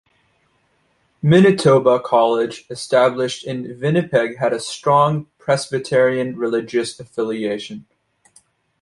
Manitoba College, established in Winnipeg had a strong Presbyterian religious affiliation.